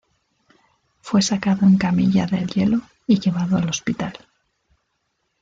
Fue sacado en camilla del hielo y llevado al hospital.